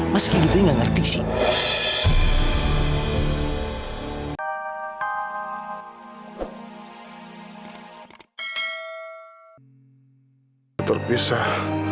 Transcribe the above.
masa gitu gak ngerti sih